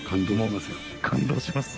感動します。